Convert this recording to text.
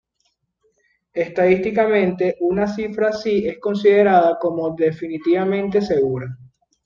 Estadísticamente, una cifra así es considerada como definitivamente segura.